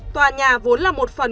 tòa nhà vốn là một phần